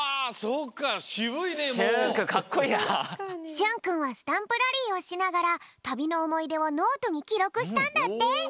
しゅんくんはスタンプラリーをしながらたびのおもいでをノートにきろくしたんだって。